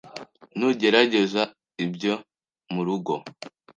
Ntugerageze ibyo murugo.